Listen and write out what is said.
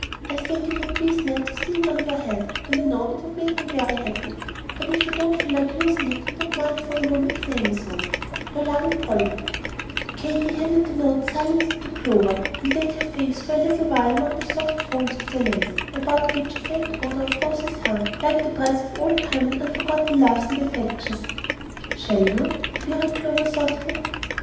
I think it would please Ned to see it on your head, and I know it would make me very happy; but if you don't feel like using it, don't mind for a moment saying so to Your loving POLLY. [Illustration: "Katy opened the parcel, and beheld a square veil of beautiful old blonde."] Katy handed the note silently to Clover, and laid her face for a little while among the soft folds of the lace, about which a faint odor of roses hung like the breath of old time and unforgotten loves and affections. "Shall you?" queried Clover, softly.